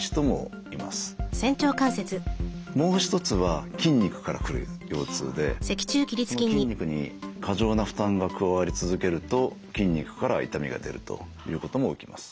もう一つは筋肉から来る腰痛でその筋肉に過剰な負担が加わり続けると筋肉から痛みが出るということも起きます。